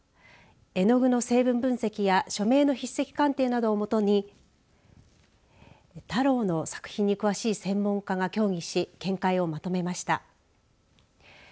絵の具の成分分析や署名の筆跡鑑定などをもとに太郎の作品に詳しい専門家が協議し見解をまとめました。